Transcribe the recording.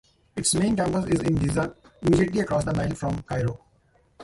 Its main campus is in Giza, immediately across the Nile from Cairo.